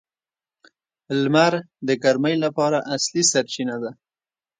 • لمر د ګرمۍ لپاره اصلي سرچینه ده.